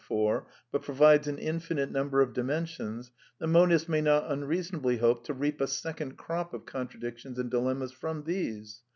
four, but provides an infinite number of dimensions, the monist may not unreas onably hope to reap a second crop of contradictions and dilemmas from these.